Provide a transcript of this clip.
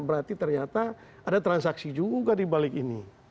berarti ternyata ada transaksi juga dibalik ini